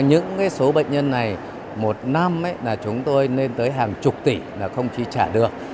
những số bệnh nhân này một năm là chúng tôi lên tới hàng chục tỷ là không chi trả được